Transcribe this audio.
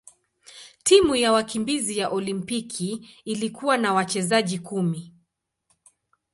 Timu ya wakimbizi ya Olimpiki ilikuwa na wachezaji kumi.